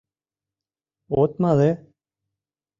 — От мале?